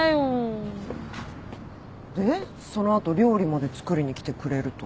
でその後料理まで作りに来てくれると。